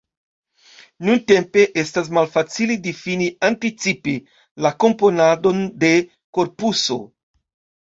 Nuntempe, estas malfacile difini anticipe la komponadon de korpuso.